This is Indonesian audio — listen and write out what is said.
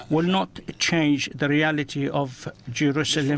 tidak akan mengubah realitas jerusalem